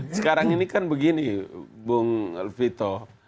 sekarang ini kan begini bung vito